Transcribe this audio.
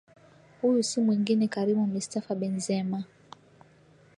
huyu si mwingine Karimu Mistafa Benzema